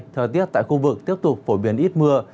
thời tiết tại khu vực tiếp tục phổ biến ít mưa